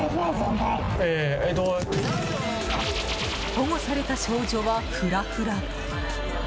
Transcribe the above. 保護された少女はフラフラ。